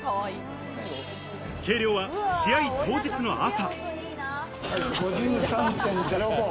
計量は試合当日の朝。